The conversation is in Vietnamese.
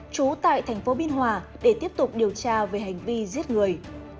trú tại thành phố biên hòa để tiếp tục điều tra về hành vi giết người